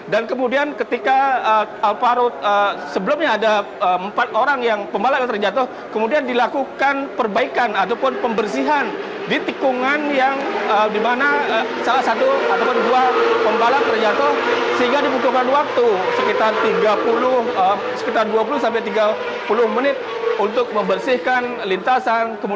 dan kemudian ketika alvaro sebelumnya ada empat orang yang pembalap yang terjatuh kemudian dilakukan perbaikan ataupun pembersihan di tikungan yang dimana salah satu ataupun dua pembalap terjatuh sehingga dibutuhkan waktu